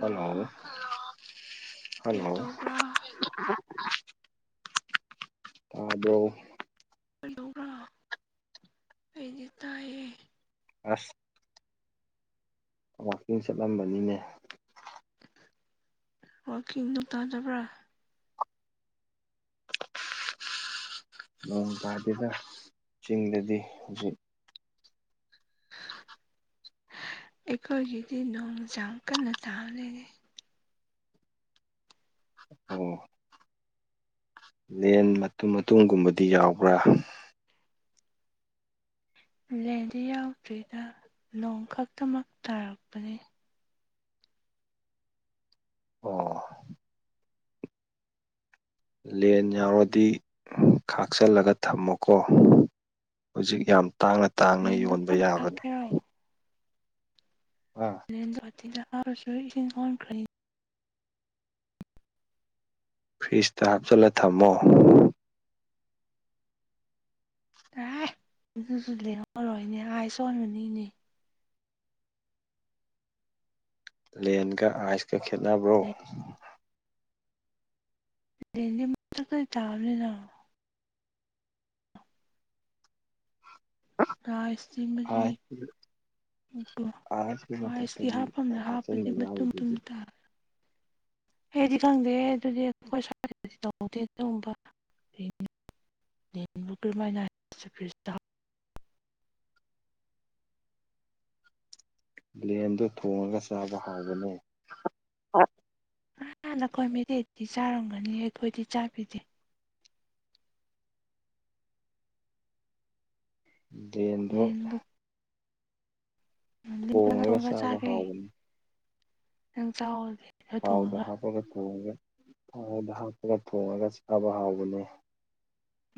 hello hello ꯀꯩꯇꯧꯕ꯭ꯔꯥ ꯑꯥꯗꯣ ꯀꯂꯣꯒꯥ ꯑꯩꯗꯤ ꯇꯥꯏꯌꯦ ꯑꯁ ꯋꯥꯋꯥꯛꯀꯤꯡ ꯆꯠꯂꯝꯕꯅꯤꯅꯦ ꯋꯥꯋꯥꯛꯀꯤꯡ ꯣ ꯇꯥꯗꯕ꯭ꯔꯥ ꯅꯣꯡ ꯇꯥꯗꯅ ꯆꯤꯡꯗꯗꯤ ꯍꯧꯖꯤꯛ ꯑꯩꯈꯣꯏꯒꯤꯗꯤ ꯅꯣꯡ ꯆ ꯌꯥꯝ ꯀꯟꯅ ꯇꯥꯜꯂꯤꯅꯦ ꯑꯣ ꯂꯦꯟ ꯃꯇꯨꯝ ꯃꯇꯨꯝꯒꯨꯝꯕꯗꯤ ꯌꯥꯎꯕ꯭ꯔꯥ ꯂꯦꯟꯗꯤ ꯌꯥꯎꯗ꯭ꯔꯤꯗ ꯅꯣꯡ ꯈꯛꯇꯃꯛ ꯇꯥꯔꯛꯄꯅꯤ ꯑꯣ ꯂꯦꯟ ꯌꯥꯎꯔꯗꯤ ꯈꯥꯛꯆꯜꯂꯒ ꯊꯝꯃꯣꯀꯣ ꯍꯧꯖꯤꯛ ꯌꯥꯝ ꯇꯥꯡꯅ ꯇꯥꯡꯅ ꯂꯦꯟꯗꯣ ꯌꯣꯟꯕ ꯀꯟꯅ ꯌꯥꯕꯅꯤ ꯍꯥꯞꯀꯦꯔꯣ ꯎꯝ ꯂꯦꯟꯗꯣ ꯑꯇꯤꯌꯥ ꯗ ꯏꯁꯤꯡ ꯀꯥꯎꯈ꯭ꯔ ꯐ꯭ꯔꯤꯖꯇ ꯍꯥꯞꯆꯤꯜꯂ ꯊꯝꯃꯣ ꯇꯥꯏ ꯑꯗꯨꯁꯨ ꯂꯦꯡꯍꯧꯔꯣꯏ ꯏꯅꯦ ꯑꯥꯏ ꯁꯣꯟꯕꯅꯤ ꯏꯅꯦ ꯄꯂꯦꯟꯒ ꯑꯥꯏꯁꯀ ꯈꯦꯠꯅꯕ꯭ꯔꯣ ꯗꯗꯤ ꯃ ꯀ ꯇꯥꯕꯅꯤꯅ ꯔꯥꯏꯁꯇ ꯑꯥꯏꯁ ꯎꯣ ꯑꯥꯏꯁꯀꯤ ꯑꯥꯏꯁꯇꯤ ꯃꯊꯛꯇꯒꯤ ꯍꯥꯞꯐꯝꯗ꯭ꯔ ꯍꯥꯞꯄꯗꯤ ꯍꯥꯞꯆꯟꯕ ꯃꯇꯨꯡ ꯇꯨꯝ ꯌꯥꯎꯔꯤꯗꯨꯗꯤ ꯇꯥꯔ ꯑꯩꯗꯤ ꯈꯪꯗꯦ ꯑꯗꯨꯗꯤ ꯑꯩꯈꯣꯏ ꯁꯗꯤ ꯇꯧꯍꯧꯗꯦ ꯑꯗꯨꯒꯨꯝꯕ ꯕꯨ ꯀꯔꯝꯃꯥꯏꯅ ꯍꯥꯏ ꯂꯕꯦꯟꯗꯣ ꯊꯣꯡꯉꯒ ꯆꯥꯕ ꯍꯥꯎꯕꯅꯦ ꯍꯥꯟ ꯅꯈꯣꯏ ꯃꯗꯤꯦꯤ ꯆꯥꯔꯝꯒꯅꯤ ꯑꯩꯈꯣꯏꯗꯤ ꯆꯥꯕꯤꯗꯦ ꯗꯦꯟꯗꯣ ꯂꯦꯟꯕꯨꯛ ꯃ ꯊꯣꯡꯉꯒ ꯀꯅꯒꯥ ꯆꯥꯕ ꯆꯥꯒꯦ ꯍꯥꯎꯕꯅꯤ ꯅꯒ ꯆꯥꯑꯣ ꯊꯥꯎꯗ ꯍꯥꯞꯄꯒ ꯊꯣꯡꯉꯒ ꯊꯥꯎꯗ ꯍꯥꯞꯄꯒ ꯊꯣꯡꯉꯒ ꯆꯥꯕ ꯍꯥꯎꯕꯅꯦ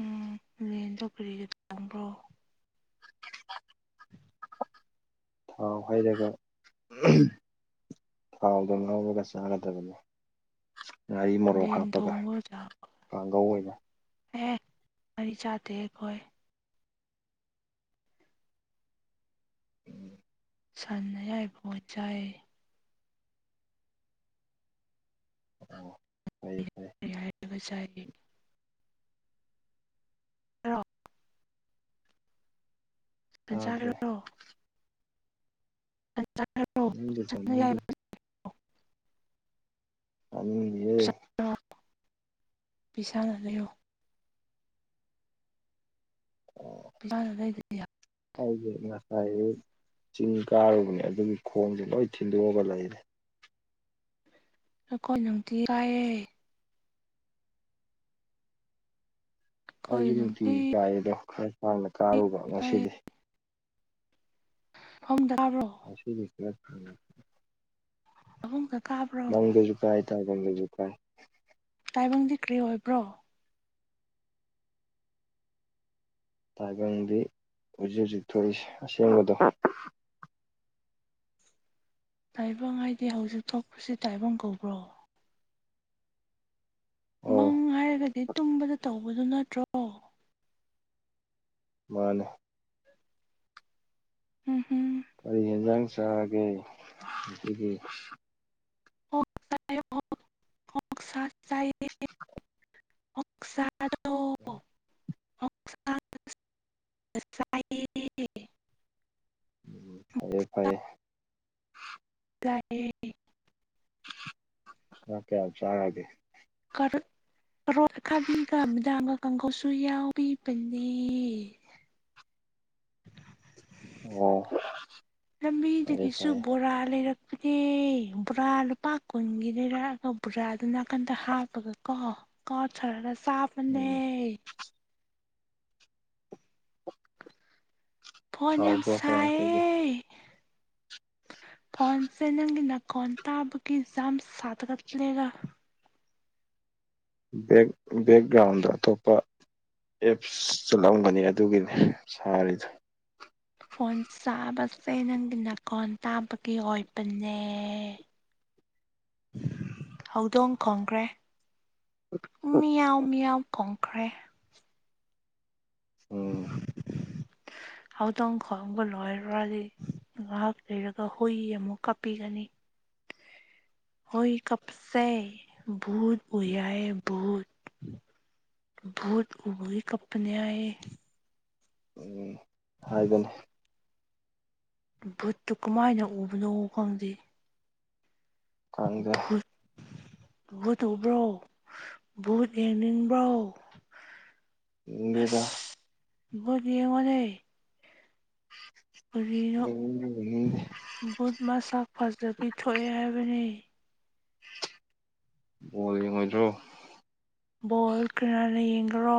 ꯎꯝ ꯂꯦꯟ ꯆꯧ ꯀꯔꯤꯒ ꯆꯪꯕ꯭ꯔꯣ [unintelligible] ꯊꯥꯎ ꯍꯩꯔꯒ ꯊꯥꯎꯗꯣ ꯉꯥꯎꯔꯒ ꯆꯥꯒꯗꯕꯅꯤ ꯉꯥꯔꯤ ꯃꯣꯔꯣꯛ ꯂꯦꯟ ꯍꯥꯞꯄꯒ ꯊꯣꯡꯕꯒ ꯆꯥꯎ ꯀꯥꯡꯒꯧ ꯑꯣꯏꯅ ꯑꯦ ꯉꯔꯤ ꯆꯥꯇꯦ ꯑꯩꯈꯣꯢ ꯎꯝ ꯁꯥꯟ ꯑꯌꯥꯏ ꯕ ꯑꯣꯢ ꯆꯥꯢꯌꯦ ꯑꯪ ꯐꯩ ꯐꯩ ꯌꯥꯢꯕ ꯆꯥꯢꯌꯦ ꯑꯣ ꯇꯥꯗ꯭ꯔꯦ [unintelligible] [unintelligible] ꯆꯅꯤꯡꯗꯦ ꯁꯟ ꯆꯅꯤꯡꯗꯦ ꯑꯌꯥꯏꯕꯔꯣ ꯆꯅꯤꯡꯗꯤꯌꯦ ꯄꯤꯁꯥꯅ ꯂꯩꯌꯣ ꯂꯥꯏꯅ ꯂꯩꯗꯗꯤ ꯌꯥ ꯍꯣꯢꯒꯤ ꯉꯁꯥꯏ ꯑꯌꯨꯛ ꯆꯤꯡ ꯀꯥꯔꯨꯕꯅꯦ ꯑꯗꯨꯒꯤ ꯈꯣꯡꯁꯦ ꯂꯣꯏ ꯊꯤꯟꯗꯣꯛꯑꯒ ꯂꯩꯔꯦ ꯑꯩꯈꯣꯏ ꯅꯨꯡꯇꯤ ꯀꯥꯏꯑꯦ ꯑꯩꯈꯣꯏ ꯑꯩꯁꯨ ꯅꯨꯡꯇꯤ ꯅꯨꯡꯇꯤꯒꯤ ꯀꯥꯏꯌꯦ ꯑꯗꯣ ꯈꯔ ꯁꯥꯡꯅ ꯀꯥꯔꯨꯕ ꯀꯥꯏꯌꯦ ꯉꯁꯤꯗꯤ ꯈꯝꯗꯥꯕ꯭ꯔꯣ ꯑꯁꯤꯗꯤ ꯈꯔ ꯊꯦꯡꯉꯦ [unintelligible] ꯃꯪꯗꯁꯨ ꯀꯥꯏ ꯇꯥꯢꯕꯡꯗꯁꯨ ꯀꯥꯏ ꯇꯥꯏꯕꯪꯗꯤ ꯀꯔꯤ ꯑꯣꯏꯕ꯭ꯔꯣ ꯇꯥꯏꯕꯪꯗꯤ ꯍꯧꯖꯤꯛ ꯍꯧꯖꯤꯛ ꯊꯣꯛꯏꯁꯦ ꯑꯁꯦꯡꯕꯗꯣ ꯇꯥꯏꯕꯪ ꯍꯥꯏꯗꯤ ꯍꯧꯖꯤꯛ ꯊꯣꯛꯄꯁꯤ ꯇꯥꯏꯕꯪ ꯀꯧꯕ꯭ꯔꯣ ꯃꯪ ꯑꯣ ꯍꯥꯏꯔꯒꯗꯤ ꯇꯨꯝꯕꯗ ꯇꯧꯕꯗꯣ ꯅꯠꯇ꯭ꯔꯣ ꯃꯥꯅꯦ ꯎꯝ ꯍꯝ ꯀꯔꯤ ꯌꯦꯟꯖꯥꯡ ꯆꯥꯔꯒꯦ ꯉꯁꯤꯒꯤ ꯑꯣꯛ ꯆꯢꯌꯦ ꯑꯣꯛ ꯑꯣꯛꯁꯥ ꯆꯥꯢꯌꯦ [unintelligible] ꯑꯣꯛꯁꯥ [unintelligible] ꯆꯥꯏꯌꯦ ꯎꯝ ꯐꯌꯦ ꯐꯌꯦ ꯇꯏꯌꯦ ꯆꯥꯛ ꯀꯌꯥꯝ ꯆꯔꯒꯦ ꯀꯔꯣꯠ ꯑꯈꯥꯕꯤꯒ ꯕꯗꯥꯝ ꯀꯥꯡꯍꯧꯁꯨ ꯌꯥꯎꯕꯤꯕꯅꯦ ꯑꯣ ꯐꯩꯌꯦ ꯂꯝꯕꯤꯗꯒꯤꯁꯨ ꯐꯩꯌꯦ ꯕꯣꯔꯥ ꯂꯩꯔꯛ ꯑꯗꯨꯗꯤ ꯕꯣꯔꯥ ꯂꯨꯄꯥ ꯀꯨꯟꯒꯤ ꯂꯩꯔꯛꯑꯒ ꯕꯣꯔꯥꯗꯨ ꯅꯥꯀꯟꯗ ꯍꯥꯞꯄꯒ ꯀꯣ ꯀꯣꯊꯥꯔꯒ ꯆꯞ ꯎꯝ ꯐꯣꯟ ꯌꯥꯝ ꯍꯥꯎꯕ꯭ꯔꯣ ꯀꯃꯥꯏ ꯇꯧꯒꯦ ꯁꯥꯏꯌꯦ ꯐꯣꯟ ꯆꯦ ꯅꯪꯒꯤꯅꯀꯣꯟ ꯇꯥꯕꯒꯤꯖꯝ ꯁꯥ ꯗꯔꯛꯂꯦꯗ ꯕꯦꯛ ꯕꯦꯛꯒ꯭ꯔꯥꯎꯟꯗ ꯑꯇꯣꯞꯄ ꯑꯦꯞꯁ ꯆꯠꯂꯝꯒꯅꯤ ꯑꯗꯨꯒꯤꯅꯤ ꯁꯥꯔꯤꯗꯣ ꯐꯣꯟ ꯆꯥꯕꯁꯦ ꯅꯪꯒꯤ ꯅꯥꯈꯣꯟ ꯇꯥꯕꯒꯤ ꯑꯣꯏꯕꯅꯦ [unintelligible] ꯍꯧꯗꯣꯡ ꯈꯣꯡꯈ꯭ꯔꯦ ꯃꯤꯌꯥꯎ ꯃꯤꯌꯥꯎ ꯈꯣꯡꯈ꯭ꯔꯦ ꯎꯝ ꯍꯧꯗꯣꯡ ꯈꯣꯡꯕ ꯂꯣꯏꯔꯗꯤ ꯉꯥꯏꯍꯥꯛ ꯂꯩꯔꯒ ꯍꯨꯏ ꯑꯃꯨꯛ ꯀꯞꯄꯤꯒꯅꯤ [inaudible] ꯍꯣꯏ ꯀꯞꯁꯦ ꯚꯨꯠ ꯕꯨ ꯌꯥꯑ ꯚꯨꯠ ꯨꯚꯨꯠ ꯎꯕꯨ ꯀꯞꯄꯅꯤ ꯍꯥꯢꯑꯦ ꯎꯝ ꯍꯥꯏꯕꯅꯤ ꯚꯨꯠꯇꯨ ꯀꯃꯥꯏꯅ ꯎꯕꯅꯣ ꯈꯪꯗꯦ ꯈꯪꯗꯦ ꯚꯨꯠ ꯚꯨꯠ ꯎꯕ꯭ꯔꯣ ꯚꯨꯠ ꯌꯦꯡꯅꯤꯡꯕ꯭ꯔꯣ ꯌꯦꯡꯅꯥꯡꯗꯦꯗ ꯑꯁ ꯚꯨꯠ ꯌꯦꯡꯉꯣꯅꯦ [inaudible] ꯀꯔꯤꯅꯣ ꯌꯦꯡꯅꯤꯡꯗꯦ ꯌꯦꯡꯅꯤꯡꯗꯦ ꯕꯨꯨꯠ ꯃꯁꯛ ꯐꯖꯕꯤ ꯊꯣꯛꯑꯦ ꯍꯥꯏꯕꯅꯤ ꯕꯣꯜ ꯌꯦꯡꯉꯣꯏꯗ꯭ꯔꯣ ꯕꯣꯜ ꯀꯅꯥꯅ ꯌꯦꯡꯒ꯭ꯔꯣ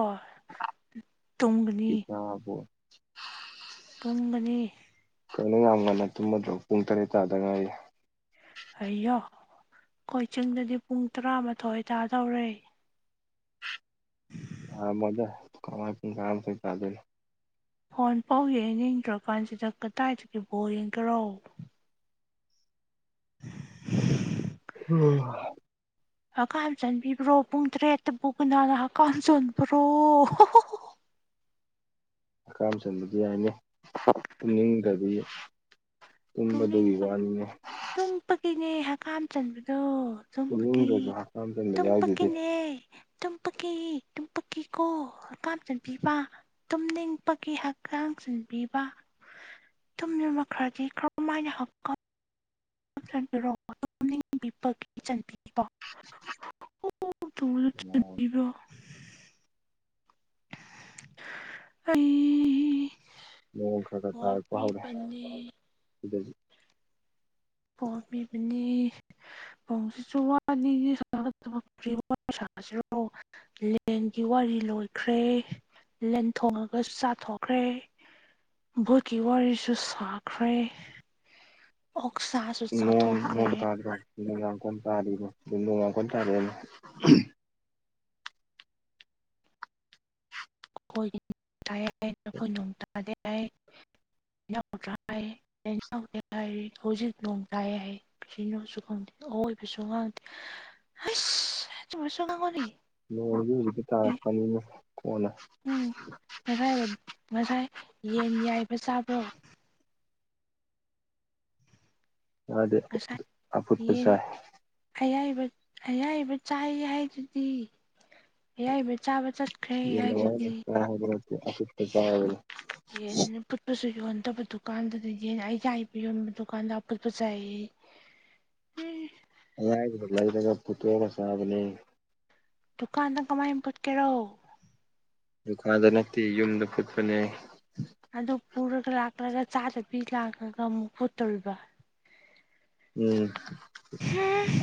ꯇꯨꯝꯒꯅꯤ ꯅꯪꯅ ꯕꯣ ꯇꯨꯝꯕꯅꯤ ꯀꯩꯅꯣ ꯌꯥꯝ ꯉꯟꯅ ꯇꯨꯝꯃꯗ꯭ꯔꯣ ꯄꯨꯡ ꯇꯔꯦꯠ ꯇꯥꯗ ꯉꯥꯏꯌꯦ ꯍꯌꯣ ꯀꯣꯏ ꯆꯤꯡꯗꯗꯤ ꯄꯨꯡ ꯇꯔꯥꯃꯥꯊꯣꯏ ꯇꯥꯗꯧꯔꯦ [inaudible] ꯊꯥ ꯃꯗ ꯀꯃꯥꯏ ꯄꯨꯡ ꯇꯔꯥꯃꯊꯣꯢ ꯇꯗꯣꯢꯅꯣ ꯐꯣꯟ ꯄꯥꯎ ꯌꯦꯡꯅꯤꯡꯗ꯭ꯔꯀꯥꯟꯁꯤꯗ ꯀꯗꯥꯏꯗꯒꯤ ꯕꯣꯔ ꯌꯦꯡꯒꯦꯔꯣ [inaudible] [inaudible] ꯍꯛꯀꯥꯝ ꯆꯟꯕꯤꯕ꯭ꯔꯣ ꯄꯨꯡ ꯇꯔꯦꯠꯇꯕꯨꯒꯅꯥꯅ ꯍꯛꯀꯝ ꯆꯣꯟꯕ꯭ꯔꯣ ꯍꯀꯥꯝ ꯆꯟꯕꯗꯤ ꯌꯥꯢꯖ ꯇꯨꯝꯅꯤꯡꯗꯗꯤ ꯇꯨꯝꯅꯤꯡ ꯇꯨꯝ ꯄꯀꯤꯅꯦ ꯍꯀꯥꯝ ꯆꯟꯕꯗꯣ ꯇꯨꯝꯕꯀꯤ ꯇꯨꯝꯅꯤꯡꯗ꯭ꯔꯁꯨ ꯍꯛꯀꯥꯝ ꯆꯟꯕ ꯌꯥꯎꯗꯨꯗꯤ ꯇꯨꯝꯕꯀꯤꯅꯦ ꯇꯨꯝ ꯄꯀꯤ ꯇꯨꯝ ꯄꯀꯤꯀꯣ ꯍꯛꯀꯥꯝ ꯆꯟꯕꯤꯕ ꯇꯨꯝꯅꯤꯡꯕꯒꯤ ꯍꯛꯆꯥꯡ ꯆꯟꯕꯤꯕ ꯇꯨꯝꯅ ꯃꯈꯔꯗꯤ ꯃꯥꯏꯅ ꯍꯛ [unintelligible] ꯅꯣꯡ [unintelligible] ꯑꯩ ꯅꯤꯌꯣꯝ ꯈꯔ ꯈꯔ ꯇꯥꯏꯔꯛꯄ ꯍꯧꯔꯛꯑꯦ ꯋꯥꯕꯤꯕꯅꯦ ꯁꯤꯗꯁꯨ ꯄꯣꯔꯝꯄꯤꯕꯅꯤ [unintelligible] ꯂꯦꯟꯒꯤ ꯋꯥꯔꯤ ꯂꯣꯏꯈ꯭ꯔꯦ ꯂꯦꯟ ꯊꯣꯡꯉꯒ ꯆꯥꯊꯣꯛꯈ꯭ꯔꯦ ꯚꯣꯠꯀꯤ ꯋꯥꯔꯤꯁꯨ ꯁꯥꯈ꯭ꯔꯦ ꯑꯣꯛꯁꯥꯁꯨ ꯅꯣꯡꯣꯡ ꯆꯥꯊꯣꯛꯈ꯭ꯔꯦ ꯇꯥꯗꯣꯡꯡ ꯀ ꯇꯥ ꯑꯗꯨ ꯅꯣꯡꯉꯡ ꯀ ꯇꯥꯔ [unintelligible] ꯂꯅꯥꯎ ꯍꯥꯏꯔꯤ ꯍꯧꯖꯤꯛ ꯅꯣꯡ ꯇꯥꯏ ꯍꯥꯏ ꯀꯅꯣꯁꯨ ꯈꯪꯗꯦ ꯑꯋꯣꯏꯕꯁꯨ ꯉꯥꯡꯗꯦ ꯑꯁ [unintelligible] ꯅꯣꯡ ꯍꯧꯖꯤꯛ ꯍꯧꯖꯤꯛꯇꯤ ꯇꯥꯔꯛꯄꯅꯤꯅ ꯀꯣꯟꯅ ꯎꯝ ꯉꯁꯥꯏ ꯉꯁꯥꯏ ꯌꯦꯟ ꯌꯥꯏꯕ ꯆꯥꯕ꯭ꯔꯣ ꯃꯥꯗꯤ ꯉꯁꯥꯏ ꯑꯐꯨꯠꯄ ꯌꯦꯟ ꯆꯥꯏ ꯑꯌꯥꯏꯕ ꯑꯌꯥꯏꯕ ꯆꯥꯏ ꯍꯥꯏꯗꯨꯗꯤ ꯑꯌꯥꯏꯕ ꯆꯥꯕ ꯆ [unintelligible] ꯌꯦꯟ ꯑ ꯐꯨꯠꯄꯁꯨ ꯌꯣꯟꯗꯕ ꯗꯨꯀꯥꯟꯗꯗꯤ ꯌꯦꯟ ꯑꯩꯁ ꯏꯕ ꯌꯣꯟꯕ ꯗꯨꯀꯥꯟꯗ ꯑꯐꯨꯠꯄꯁꯨꯥꯏ ꯑ ꯄꯨꯇ꯭ꯔꯣ ꯁꯥꯕꯅꯦ ꯗꯨꯀꯥꯟꯗ ꯀꯃꯥꯏ ꯄꯨꯨꯠꯀꯦꯔꯣ ꯗꯨꯀꯥꯟꯗ ꯅꯠꯇꯦ ꯌꯨꯝꯗ ꯐꯨꯠꯄꯅꯦ ꯑꯗꯨ ꯄꯨꯔꯒ ꯂꯥꯛꯂꯒ ꯆꯥꯗꯕꯤ ꯂꯥꯛꯂꯒ ꯑꯃꯨꯛ ꯄꯨꯠꯇꯣꯔꯤꯕ ꯎꯝ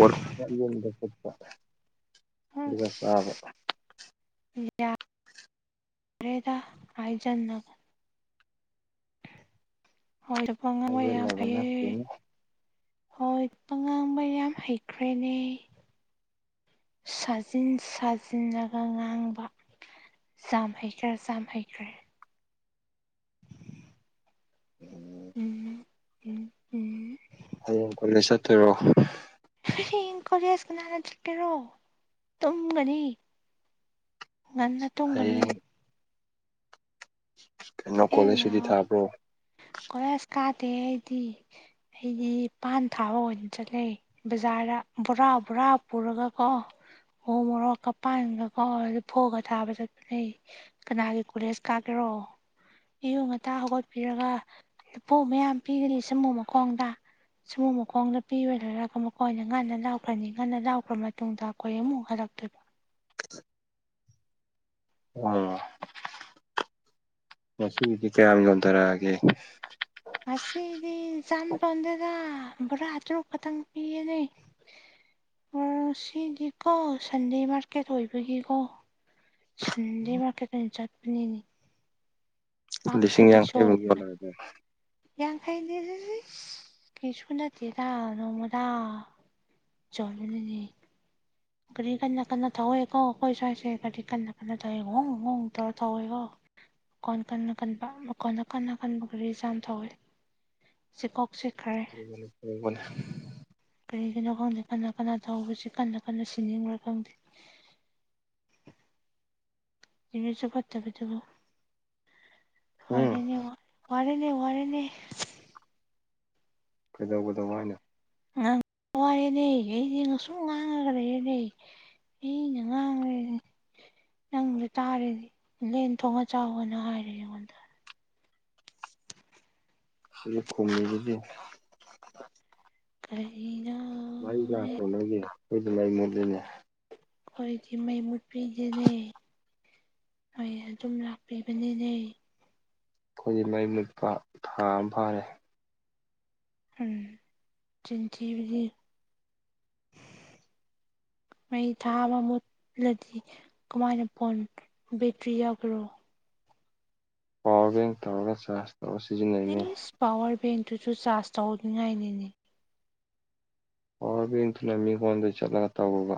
[unintelligible] ꯑꯗꯨꯒ ꯑꯁ ꯆꯥꯕ ꯌꯥꯔꯦꯗ ꯑꯥꯏꯖꯟ ꯅ ꯑꯣꯏꯗꯕ ꯉꯥꯡꯕ ꯌꯥꯝ ꯍꯩꯖꯤꯜꯂꯕ ꯍꯩꯌꯦ ꯅꯠꯇꯦꯅꯦ ꯍꯣꯏ ꯄꯉꯥꯡꯕ ꯌꯥꯝ ꯍꯩꯈ꯭ꯔꯦꯅꯦ ꯁꯥꯖꯤꯟ ꯁꯥꯖꯤꯟꯂꯒ ꯉꯥꯡꯕ ꯖꯥꯝ ꯍꯩꯈ꯭ꯔꯦ ꯆꯝ ꯍꯩꯈꯔꯦ ꯎꯝ ꯎꯝ ꯎꯝ ꯎꯝ ꯍꯌꯦꯡ ꯀꯣꯂꯦꯖ ꯆꯠꯇꯣꯏꯔꯣ ꯍꯌꯦꯡ ꯀꯣꯂꯦꯖ ꯀꯅꯥꯅ ꯆꯠꯀꯦꯔꯣ ꯇꯨꯝꯒꯅꯤ ꯉꯟꯅ ꯇꯨꯝꯒꯅꯤ ꯍꯌꯦꯡ ꯀꯩꯅꯣ ꯀꯣꯂꯦꯖ ꯊꯦꯡꯅ ꯁꯨꯇꯤ ꯊꯥꯕ꯭ꯔꯣ ꯀꯣꯂꯦꯖ ꯀꯥꯗꯦ ꯑꯩꯗꯤ ꯑꯩꯗꯤ ꯄꯥꯟ ꯊꯥꯕ ꯑꯣꯏꯅ ꯆꯠꯂꯦ ꯕꯖꯥꯔꯗ ꯕꯣꯔꯥ ꯕꯣꯔꯥ ꯄꯨꯔꯒ ꯀꯣ ꯎ ꯃꯣꯔꯣꯛ ꯀ ꯄꯥꯟꯒ ꯀꯣꯔ ꯐꯣꯒ ꯊꯥꯕ ꯆꯠꯄꯅꯦ ꯀꯅꯥꯒꯤ ꯀꯣꯂꯦꯖ ꯀꯥꯀꯦꯔꯣ ꯑꯌꯨꯛ ꯉꯟꯇꯥ ꯍꯧꯒꯠꯄꯤꯔꯒ ꯂꯄꯨ ꯃꯌꯥꯝ ꯄꯤꯒꯅꯤ ꯁꯃꯨ ꯃꯈꯣꯡꯗ ꯁꯃꯨ ꯃꯈꯣꯡꯗꯄꯤꯔ ꯂꯣꯏꯔꯒ ꯃꯈꯀꯣꯏ ꯉꯟꯅ ꯂꯥꯎꯈ꯭ꯔꯅꯤ ꯉꯟꯅ ꯂꯥꯎꯈ꯭ꯔ ꯃꯇꯨꯡꯗ ꯑꯩꯈꯣꯏ ꯑꯃꯨꯛ ꯍꯜꯂꯛꯇꯣꯏꯕ ꯎꯝ ꯉꯁꯤꯗꯤ ꯀꯌꯥꯝ ꯌꯣꯟꯗꯔꯛꯑꯒꯦ ꯉꯁꯤꯗꯤ ꯖꯥꯝꯄꯟꯗꯦꯗ ꯕꯣꯔꯥ ꯇꯔꯨꯛ ꯈꯇꯪ ꯄꯤꯌꯦꯅꯦ ꯑꯣ ꯁꯤꯗꯤꯀꯣ ꯁꯟꯗꯦ ꯃꯥꯔꯀꯦꯠ ꯑꯣꯏꯕꯒꯤꯀꯣ ꯁꯟꯗꯦ ꯃꯥꯔꯀꯦꯠ ꯑꯣꯏꯅ ꯆꯠꯄꯅꯤꯅꯦ ꯂꯤꯁꯤꯡ ꯄꯥꯛꯊꯕꯤ ꯌꯥꯡꯈꯩꯃꯨꯛ ꯌꯣꯜꯂꯛꯑꯕꯣ ꯌꯥꯡꯈꯩꯗꯤꯗꯤꯁ ꯀꯩꯁꯨ ꯅꯠꯇꯦꯗ ꯅꯣꯡꯃꯗꯥ ꯆꯣꯟꯅꯅꯅꯤ ꯒꯥꯔꯤ ꯀꯟꯅ ꯀꯟꯅ ꯊꯧꯋꯦꯀꯣ ꯑꯩꯈꯣꯏ ꯁ꯭ꯋꯥꯏꯁꯦ ꯒꯥꯔꯤ ꯀꯟꯅ ꯀꯟꯅ ꯊꯧꯏꯦ ꯍꯣꯡ ꯍꯣꯡ ꯇꯧꯔ ꯊꯧꯋꯦꯀꯣ ꯀꯣꯟ ꯀꯟꯅ ꯀꯟꯕ ꯃꯀꯣꯟꯅ ꯀꯟꯅ ꯀꯟꯕꯒꯔꯤꯁꯨ ꯌꯥꯝ ꯊꯧꯋꯦ ꯆ ꯀꯣꯛ ꯆꯤꯛꯈꯔꯦ ꯎꯕꯅꯦ ꯀꯔꯤꯒꯤꯅꯣ ꯈꯪꯗꯦ ꯀꯟꯅ ꯀꯟꯅ ꯇꯧꯕꯁꯤ ꯀꯟꯅ ꯀꯟꯅ ꯁꯤꯅꯤꯡꯕ꯭ꯔꯥ ꯈꯪꯗꯦ ꯃꯤꯁꯨ ꯐꯠꯇꯕꯗꯨꯕꯨ ꯎꯝ ꯍꯣꯔꯦꯅꯦ ꯋꯥ ꯋꯥꯔꯦꯅꯦ ꯋꯥꯔꯦꯅꯦ ꯀꯩꯗꯧꯕꯂ ꯋꯥꯏꯅꯣ ꯉꯪ ꯋꯥꯏꯑꯦꯅꯦ ꯀꯩꯒꯤꯅꯣ ꯁꯨꯝ ꯉꯥꯡꯔꯒ ꯂꯩꯌꯦꯅꯦ ꯑꯩꯅ ꯉꯥꯡꯔꯦ ꯅꯪꯅ ꯇꯥꯔꯗꯤ ꯂꯦꯟ ꯊꯣꯡꯉ ꯆꯥꯎꯑꯣꯅ ꯍꯥꯏꯔꯦ ꯑꯩꯉꯣꯟꯗ ꯑꯩꯖꯨ ꯈꯨꯝꯃꯤꯗꯨꯗꯤ ꯀꯔꯤꯅꯣ ꯃꯔꯤ ꯂꯥꯛꯇꯔꯣ ꯅꯣꯏꯒꯤ ꯑꯩꯈꯣꯏꯗꯨ ꯃꯩ ꯃꯨꯠꯂꯦꯅꯦ ꯑꯩꯈꯣꯏꯗꯤ ꯃꯩ ꯃꯨꯠꯄꯤꯗꯦꯅꯦ ꯃꯩ ꯑꯗꯨꯝ ꯂꯥꯛꯄꯤꯕꯅꯤꯅꯦ ꯑꯩꯈꯣꯏꯗꯤ ꯃꯩ ꯃꯨꯠꯄ ꯊꯥ ꯑꯃ ꯐꯥꯔꯦ ꯎꯝ ꯆꯤꯟꯊꯤꯕꯗꯤ [inaudible] ꯃꯩ ꯊꯥ ꯑꯃ ꯃꯨꯠꯂꯗꯤ ꯀꯃꯥꯏꯅ ꯐꯣꯟ ꯕꯦꯇ꯭ꯔꯤ ꯌꯥꯎꯈ꯭ꯔꯣ ꯄꯋꯥꯔ ꯕꯦꯡ ꯇꯧꯔꯒ ꯆꯥꯔꯖ ꯇꯧꯔ ꯁꯤꯖꯤꯟꯅꯩꯅꯦ ꯏꯁ ꯄꯋꯥꯔ ꯕꯦꯡꯇꯨꯁꯨ ꯆꯥꯔꯖ ꯇꯧꯅꯤꯡꯉꯥꯏꯅꯤꯅꯦ ꯑꯣ [unintelligible] ꯏꯇꯅꯃꯤ ꯐꯣꯟꯗ ꯆꯂꯒ ꯇꯧꯕ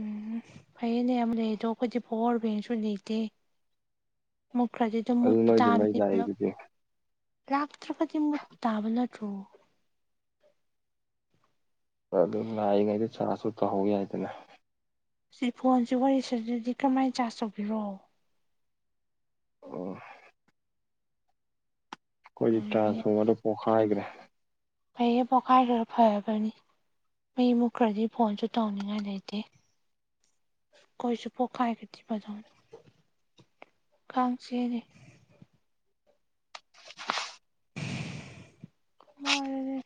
ꯎꯝ ꯐꯩꯌꯦꯅꯦ ꯌꯥꯝ ꯂꯩ ꯑꯗꯣ ꯑꯩꯈꯣꯏꯗꯤ ꯄꯋꯥꯔ ꯕꯦꯡꯁꯨ ꯂꯩꯇꯦ ꯃꯨꯠꯈ꯭ꯔꯗꯤ ꯑꯗꯨꯝ ꯑꯗꯨ ꯃꯨꯠꯄ ꯅꯣꯏꯗꯤ ꯃꯩ ꯇꯥꯕꯅꯤꯂꯣ ꯂꯥꯛꯏꯗꯨꯗꯤ ꯂꯥꯛꯇ꯭ꯔꯒꯗꯤ ꯃꯨꯠꯇꯥꯕ ꯅꯠꯇ꯭ꯔꯣ ꯑꯗꯨ ꯂꯥꯛꯏꯉꯩꯗ ꯆꯥꯔꯁꯨ ꯇꯧꯍꯧ ꯌꯥꯏꯗꯅ ꯁꯤ ꯐꯣꯟꯁꯤ ꯋꯥꯔꯤ ꯁꯗꯗꯤ ꯀꯔꯝꯍꯥꯏꯅ ꯆꯥꯔꯖ ꯇꯧꯕꯤꯔꯣ ꯑꯣ ꯑꯩꯈꯣꯏꯒꯤ ꯎꯝ ꯇ꯭ꯔꯥꯟꯁꯐꯣꯔꯃꯔꯗꯣ ꯄꯣꯛꯈꯥꯏꯈ꯭ꯔꯦ ꯐꯩꯌꯦ ꯄꯣꯛꯈꯥꯏꯔ ꯐꯔꯕꯅꯤ ꯃꯩ ꯃꯨꯠꯈ꯭ꯔꯗꯤ ꯐꯣꯟꯁꯨ ꯇꯧꯅꯤꯡꯉꯥꯏ ꯂꯩꯇꯦ ꯈꯣꯏꯁꯨ ꯄꯣꯈꯥꯏꯈꯔꯗꯤ ꯐꯗꯧꯅꯤ ꯀꯥꯡ ꯆꯤꯛ ꯑꯦꯅꯦ ꯃꯣꯏꯗꯗꯤ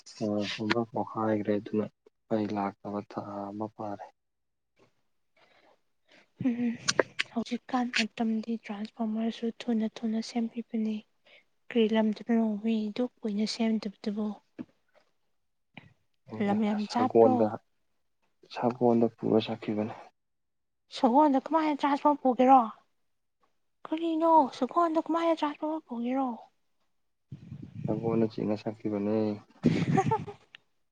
ꯨꯇ꯭ꯔꯥꯟꯁꯐꯣꯔꯃ꯭ꯔ ꯄꯣꯈꯥꯏꯈ꯭ꯔꯦ ꯑꯗꯨꯅ ꯃꯩ ꯂꯥꯛꯇꯕ ꯊꯥ ꯑꯃ ꯐꯥꯔꯦ [inaudible] ꯎꯝ ꯍꯧꯖꯤꯛꯀꯥꯟ ꯃꯇꯝꯗꯤ ꯇ꯭ꯔꯥꯟꯁꯐꯣꯔꯃꯔꯁꯨ ꯊꯨꯅ ꯊꯨꯅ ꯁꯦꯝꯕꯤꯕꯅꯤ ꯀꯔꯤ ꯂꯝꯗꯅꯣ ꯃꯤꯗꯨ ꯀꯨꯏꯅ ꯁꯦꯝꯗꯕꯗꯨꯕꯨ ꯂꯝ ꯌꯥꯝ ꯆꯥꯕ꯭ꯔꯣ ꯁꯒꯣꯜꯗ ꯁꯒꯣꯜꯗ ꯄꯨꯔ ꯆꯠꯈꯤꯕꯅꯦ ꯁꯒꯣꯜꯗ ꯀꯃꯥꯏꯅ ꯇ꯭ꯔꯥꯟꯁꯐꯣꯔꯝ ꯄꯨꯒꯦꯔꯣ ꯀꯔꯤꯅꯣ ꯁꯒꯣꯟꯗ ꯀꯃꯥꯏꯅ ꯇ꯭ꯔꯥꯟꯁꯐꯣꯔꯃꯔ ꯄꯨꯒꯦꯔꯣ [inaudible] ꯁꯒꯣꯟꯅ ꯆꯤꯡꯅ ꯁꯥꯛꯈꯤꯕꯅꯦ [unintelligible]